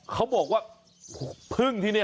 เขาบอกว่าพึ่งที่นี่